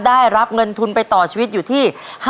ได้รับเงินทุนไปต่อชีวิตอยู่ที่